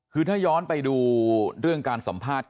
คือถ้าย้อนไปดูเรื่องการสัมภาษณ์